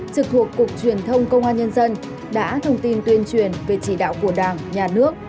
trực thuộc cục truyền thông công an nhân dân đã thông tin tuyên truyền về chỉ đạo của đảng nhà nước